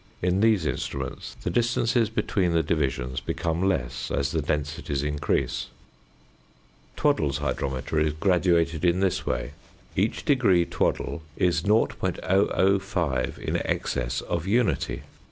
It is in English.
In these instruments the distances between the divisions become less as the densities increase. Twaddell's hydrometer is graduated in this way: Each degree Twaddell is 0.005 in excess of unity.